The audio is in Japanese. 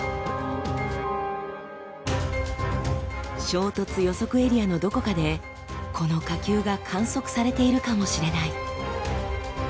衝突予測エリアのどこかでこの火球が観測されているかもしれない。